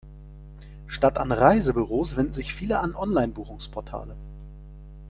Statt an Reisebüros wenden sich viele an Online-Buchungsportale.